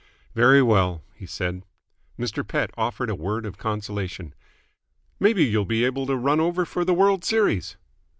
"Very well," he said. Mr. Pett offered a word of consolation. "Maybe you'll be able to run over for the World's Series?"